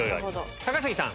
高杉さん。